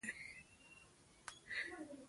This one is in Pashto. نیکه د ښو خلکو یادونه کوي.